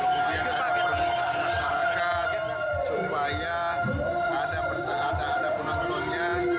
kemudian ada permintaan masyarakat supaya ada penontonnya